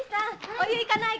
お湯行かないかい？